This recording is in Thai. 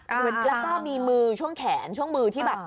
แล้วก็มีมือช่วงแขนช่วงมือที่แบบ